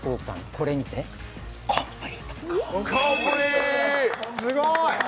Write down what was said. これにてコンプリート！